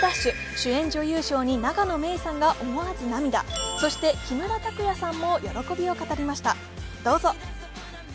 主演女優賞の永野芽郁さんが思わず涙、そして木村拓哉さんも喜びを語りました。